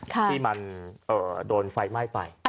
ที่มันโดนไฟไหม้ไป